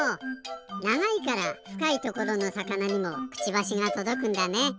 ながいからふかいところのさかなにもクチバシがとどくんだね。